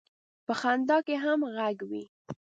په خندا کې هم غږ وي.